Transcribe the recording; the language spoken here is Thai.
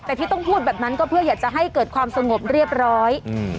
แต่ที่ต้องพูดแบบนั้นก็เพื่ออยากจะให้เกิดความสงบเรียบร้อยอืม